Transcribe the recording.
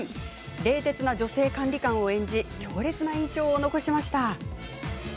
冷徹な女性管理官を演じ強烈な印象を残しました。